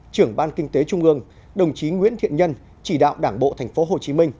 trưởng ban kinh tế trung ương đồng chí nguyễn thiện nhân chỉ đạo đảng bộ tp hcm